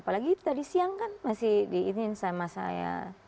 apalagi itu tadi siang kan masih di insayamah saya